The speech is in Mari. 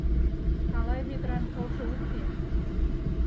Калай ведран кылже уке